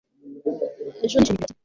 ejo nishimiye kureba tv